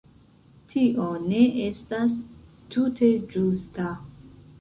Tio ne estas tute ĝusta.